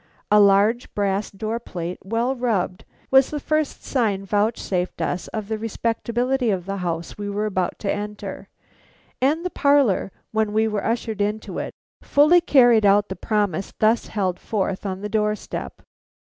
A large brass door plate, well rubbed, was the first sign vouchsafed us of the respectability of the house we were about to enter; and the parlor, when we were ushered into it, fully carried out the promise thus held forth on the door step.